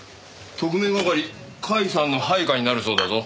特命係甲斐さんの配下になるそうだぞ。